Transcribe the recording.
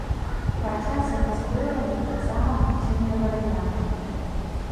Па часе настойвання таксама магчымыя варыянты.